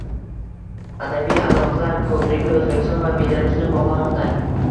Adabiy aloqalar ko‘prigi O‘zbekiston va Belarusni bog‘lamoqdang